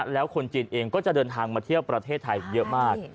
แล้วคนจีนเองก็จะเดินทางมาเที่ยวประเทศไทยเยอะมาก